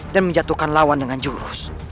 menjatuhkan lawan dengan jurus